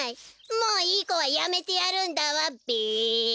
もういいこはやめてやるんだわべ！